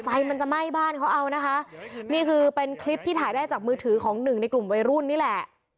ไฟมันจะไหม้บ้านเขาเอานะคะนี่คือเป็นคลิปที่ถ่ายได้จากมือถือของหนึ่งในกลุ่มวัยรุ่นนี่แหละ